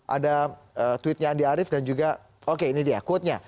ada tweetnya andi arief dan juga oke ini dia quote nya